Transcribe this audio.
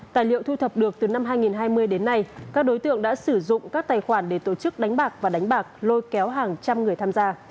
tài liệu thu thập được từ năm hai nghìn hai mươi đến nay các đối tượng đã sử dụng các tài khoản để tổ chức đánh bạc và đánh bạc lôi kéo hàng trăm người tham gia